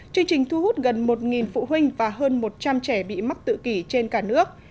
chương trình thu hút gần một phụ huynh và hơn một trăm linh trẻ bị mắc tự kỷ trên cả nước